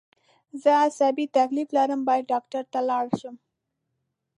زه عصابي تکلیف لرم باید ډاکټر ته لاړ شم